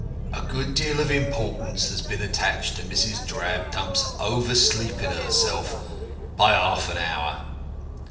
A good deal of importance has been attached to Mrs. Drabdump's oversleeping herself by half an hour.